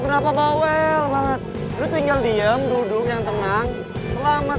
kenapa bawel banget lu tinggal diem duduk yang tenang selamat